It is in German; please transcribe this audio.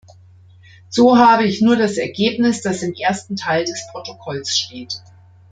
So habe ich nur das Ergebnis, das im ersten Teil des Protokolls steht.